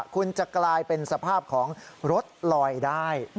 คุณจะกลายเป็นสภาพของรถลอยได้